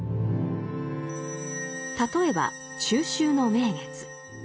例えば中秋の名月。